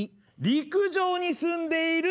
陸上に住んでいる。